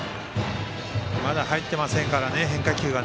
まだ入ってませんからね変化球が。